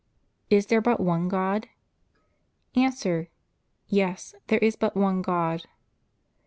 Is there but one God? A. Yes; there is but one God.